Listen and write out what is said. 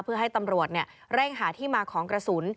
เพื่อให้ตำรวจเร่งหาที่มาของกระสุน